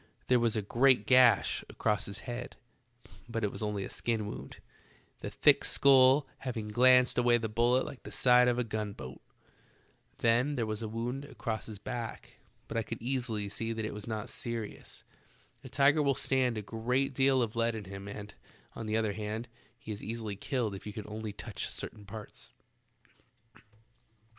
There was a great gash across his head, but it was only a skin wound, the thick skull hav ing glanced away the bullet like the side of a gun boat. Then there was a wound across his back, but I could easily see that it was not serious. A tiger will stand a great deal of lead in him, and, on the other hand, he is easily killed if you can only touch certain parts.